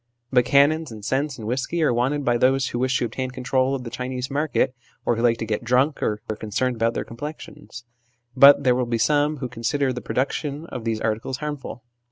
But cannons, and scents, and whisky, are wanted by those who wish to obtain control of the Chinese market, or who like to get drunk, or are concerned about their complexions ; but there will be some who con sider the production of these articles harmful.